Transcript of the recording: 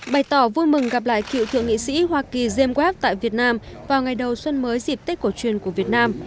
bày tỏ vui mừng gặp lại cựu thượng nghị sĩ hoa kỳ jame wag tại việt nam vào ngày đầu xuân mới dịp tết cổ truyền của việt nam